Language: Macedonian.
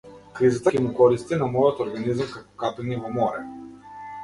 Кризата ќе му користи на мојот организам како капење во море.